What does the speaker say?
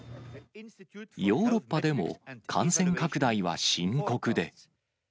ヨーロッパでも、感染拡大は深刻で。